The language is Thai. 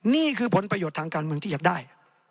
นี่คือผลประโยชน์ทางการเมืองที่อยากได้